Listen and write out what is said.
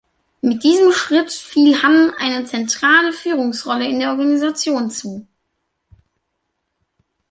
Mit diesem Schritt fiel Han eine zentrale Führungsrolle in der Organisation zu.